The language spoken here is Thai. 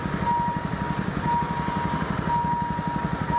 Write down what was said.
โรงพยาบาล